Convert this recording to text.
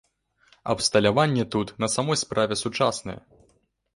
Абсталяванне тут на самой справе сучаснае.